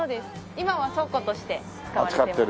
今は倉庫として使われています。